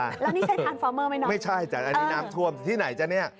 แล้วนี่ใช้ทานฟอร์เมอร์ไหมนะไม่ใช่จ้ะอันนี้น้ำท่วมที่ไหนจ๊ะเนี่ย